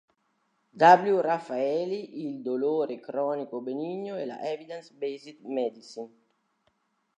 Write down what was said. W. Raffaeli Il dolore cronico benigno e la Evidence Based Medicine.